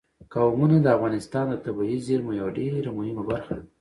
قومونه د افغانستان د طبیعي زیرمو یوه ډېره مهمه برخه ده.